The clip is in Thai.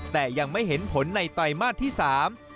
แต่ยังไม่เห็นผลในไตรมาสที่สาม